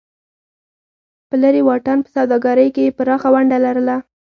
په لرې واټن په سوداګرۍ کې یې پراخه ونډه لرله.